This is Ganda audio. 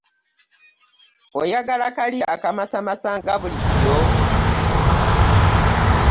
Oyagala kali akamasamasa nga bulijjo?